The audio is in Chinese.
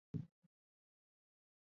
泡轮虫属则属于核形虫目。